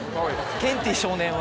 ケンティー少年は。